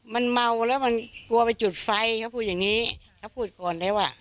มันเมาแล้วมันกลัวไปจุดไฟเขาพูดอย่างงี้เขาพูดก่อนเลยว่า